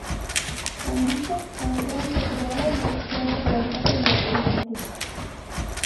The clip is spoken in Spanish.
Con dicha expansión se crean las Divisiones de Oriente y Occidente.